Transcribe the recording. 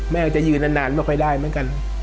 มันจะยืนนานไม่ค่อยได้เหมือนกัน